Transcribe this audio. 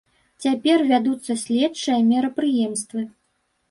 Цяпер вядуцца следчыя мерапрыемствы.